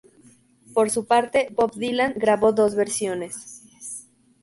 Por su parte, Bob Dylan grabó dos versiones.